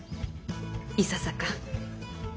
いささか。